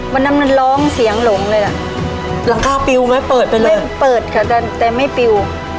วันนั้นมันร้องเสียงหลงเลยล่ะหลังคาปิวไหมเปิดไปเลยเปิดค่ะแต่ไม่ปิว